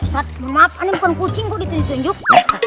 ustadz maaf aneh bukan kucing kok ditunjuk